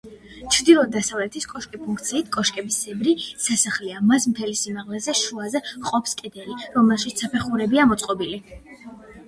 ჩრდილო-დასავლეთის კოშკი ფუნქციით კოშკისებრი სასახლეა, მის მთელ სიმაღლეზე შუაზე ჰყოფს კედელი, რომელშიც საფეხურებია მოწყობილი.